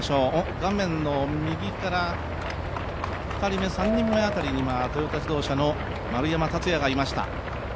画面の右から２人目、３人目あたりに今、トヨタ自動車の丸山竜也がいました。